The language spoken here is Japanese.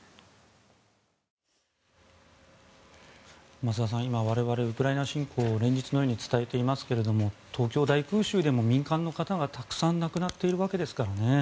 増田さん、今我々はウクライナ侵攻を連日のように伝えていますけれど東京大空襲でも民間の方がたくさん亡くなっているわけですからね。